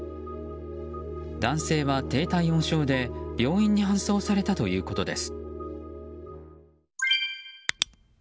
男性は低体温症で病院に搬送されたということです。